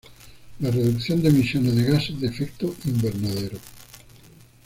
la reducción de emisiones de gases de efecto invernadero